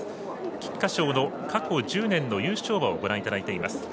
菊花賞の過去１０年の優勝馬をご覧いただいています。